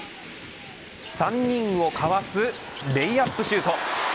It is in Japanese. ３人をかわすレイアップシュート。